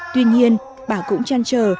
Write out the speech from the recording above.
tuy nhiên bà cũng chan trở